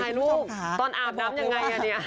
ชอบขาตอนอาบน้ำยังไงอันนี้